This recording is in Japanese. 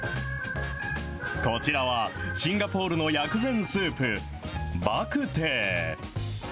こちらは、シンガポールの薬膳スープ、バクテー。